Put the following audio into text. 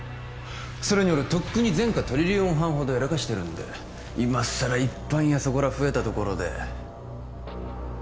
それに俺とっくに前科トリリオン犯ほどやらかしてるんで今さら一犯やそこら増えたところで誤差だろ